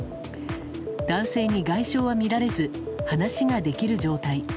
男性に外傷は見られず話ができる状態。